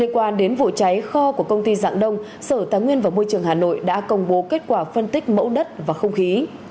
quan đến vụ cháy kho của công ty dạng đông sở tài nguyên và môi trường hà nội đã công bố kết quả phân tích mẫu đất và không khí